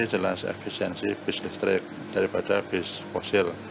jelas efisiensi bis listrik daripada bis fosil